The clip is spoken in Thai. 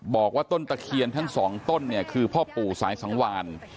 บอกว่าต้นตะเคียนทั้งสองต้นเนี่ยคือพ่อปู่สายสังวาน